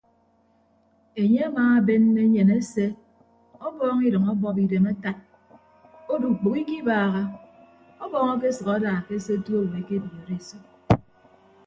Enye amaabenne enyen ese ọbọọñ idʌñ ọbọp idem atad odo ukpәho ikibaaha ọbọọñ akesʌk ada ke se otu owo ekebiooro esop.